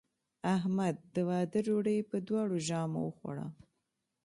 احمد د واده ډوډۍ په دواړو ژامو وخوړه.